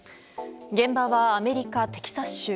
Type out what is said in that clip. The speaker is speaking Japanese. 現場はアメリカ・テキサス州。